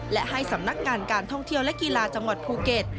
และให้สำนักงานการท่องเที่ยวและกีฬาจังหวัดภูเก็ต